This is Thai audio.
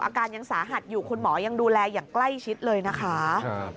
อาการยังสาหัสอยู่คุณหมอยังดูแลอย่างใกล้ชิดเลยนะคะ